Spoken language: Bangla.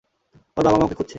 ওর বাবা-মা ওকে খুঁজছে।